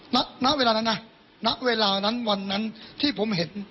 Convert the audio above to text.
ณเวลานั้นนะณเวลานั้นวันนั้นที่ผมเห็น